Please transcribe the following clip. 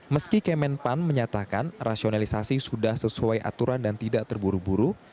meski kemenpan menyatakan rasionalisasi sudah sesuai aturan dan tidak terburu buru